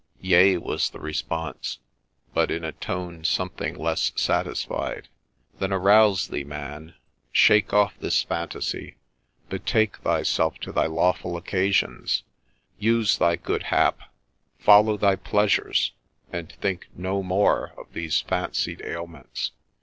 Yea,' was the response, but in a tone something less satisfied ' Then arouse thee, man, shake off this fantasy, betake thyself to thy lawful occasions, — use thy good hap, — follow thy pleasure's, and think no more of these fancied ailments.'